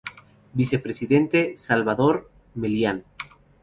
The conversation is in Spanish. Vicepresidente: Salvador Melián.